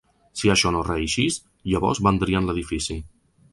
Si això no reïxis, llavors vendrien l’edifici.